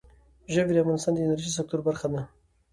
ژبې د افغانستان د انرژۍ سکتور برخه ده.